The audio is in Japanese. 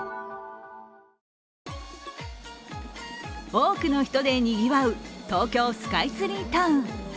多くの人でにぎわう東京スカイツリータウン。